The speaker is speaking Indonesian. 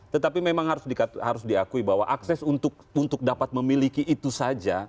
tetapi memang harus diakui bahwa akses untuk dapat memiliki itu saja